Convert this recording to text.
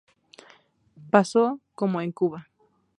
Pasó como en Cuba.